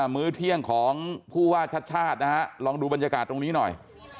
มื้อเที่ยงของผู้ว่าชาติชาตินะฮะลองดูบรรยากาศตรงนี้หน่อย